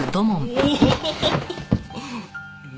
おお。